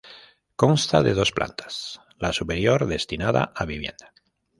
Consta de dos plantas, la superior destinada a vivienda.